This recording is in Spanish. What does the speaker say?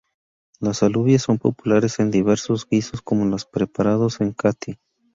Las alubias son populares en diversos guisos como los preparados en Catí.